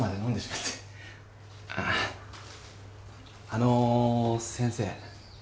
あの先生。